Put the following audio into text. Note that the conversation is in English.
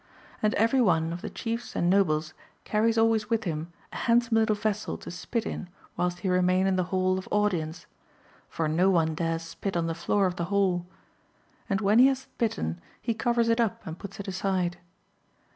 And every one of the chiefs and nobles carries always with him a hand some little vessel to spit in whilst he remain in the Hall of Audience — for no one dares spit on the floor of the hall, — and when he hath spitten he covers it up and puts it aside.